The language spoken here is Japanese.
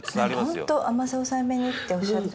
ホント甘さ抑えめにっておっしゃって。